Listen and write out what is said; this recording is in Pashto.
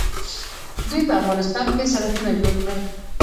دوی په افغانستان کې سړکونه جوړ کړل.